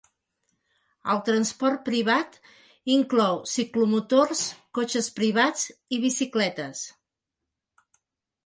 El transport privat inclou ciclomotors, cotxes privats i bicicletes.